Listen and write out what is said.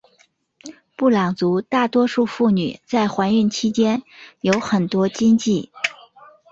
布朗族大多数妇女在怀孕期间有很多禁忌。